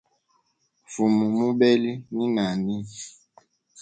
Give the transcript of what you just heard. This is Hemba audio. Fumu mubeli ni nani?